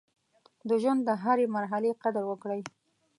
د ژوند د هرې مرحلې قدر وکړئ.